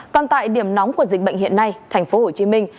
còn tại điểm nóng của dịch bệnh hiện nay thành phố hồ chí minh